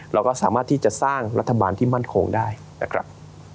เราก็สามารถที่จะสร้างรัฐบาลที่มั่นคงได้นะครับ